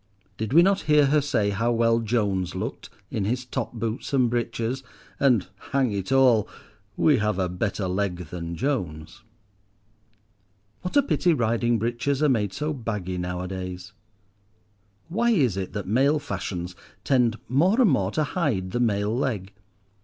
Did we not hear her say how well Jones looked in his top boots and breeches, and, "hang it all," we have a better leg than Jones. What a pity riding breeches are made so baggy nowadays. Why is it that male fashions tend more and more to hide the male leg?